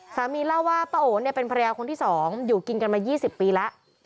สามีเล่าว่าป้าโอ๋เนี่ยเป็นภรรยาคนที่๒อยู่กินกันมา๒๐ปีแล้ว